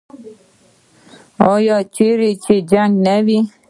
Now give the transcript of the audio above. آیا چیرې چې جنګ نه وي؟